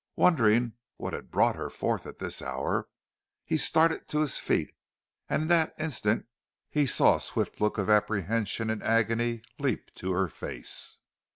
Wondering what had brought her forth at this hour he started to his feet and in that instant he saw a swift look of apprehension and agony leap to her face.